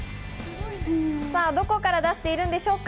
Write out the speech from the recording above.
どこから出しているんでしょうか？